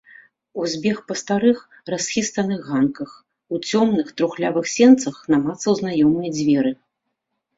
Узбег па старых, расхістаных ганках, у цёмных, трухлявых сенцах намацаў знаёмыя дзверы.